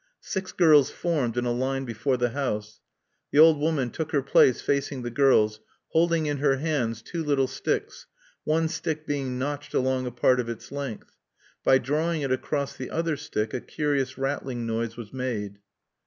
Six girls formed in a line before the house. The old woman took her place facing the girls, holding in her hands two little sticks, one stick being notched along a part of its length. By drawing it across the other stick, a curious rattling noise was made.